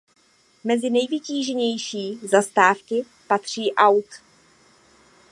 Mezi nejvytíženější zastávky patří aut.